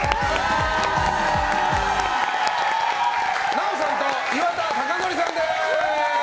奈緒さんと岩田剛典さんです！